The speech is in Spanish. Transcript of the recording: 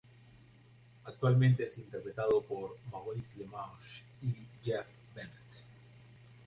Actualmente es interpretado por Maurice LaMarche y Jeff Bennett.